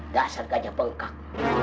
dasar kacau bengkak